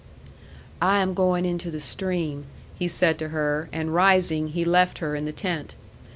"I am going into the stream," he said to her; and rising, he left her in the tent.